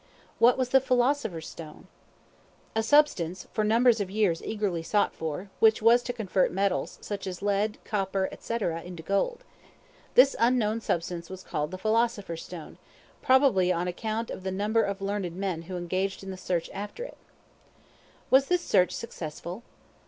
What was the Philosopher's Stone? A substance, for numbers of years eagerly sought for, which was to convert metals, such as lead, copper, &c. into gold. This unknown substance was called the Philosopher's Stone, probably on account of the number of learned men who engaged in the search after it. [Illustration: UNITED STATES SIGNAL STATION, PIKE'S PEAK, COLORADO.] Was this search successful?